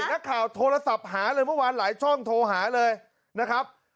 นักข่าวโทรศัพท์หาเลยเมื่อวานหลายช่องโทรหาเลยนะครับ